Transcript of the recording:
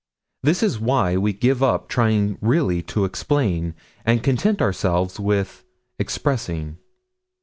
This is why we give up trying really to explain, and content ourselves with expressing.